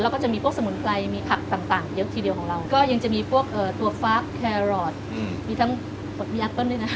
แล้วก็จะมีพวกสมุนไพรมีผักต่างต่างเยอะทีเดียวของเราก็ยังจะมีพวกเอ่อตัวฟักแครอทอืมมีทั้งมีอัปเปิ้ลด้วยนะ